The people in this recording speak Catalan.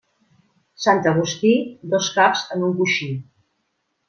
Sant Agustí, dos caps en un coixí.